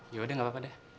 yaudah gak apa apa deh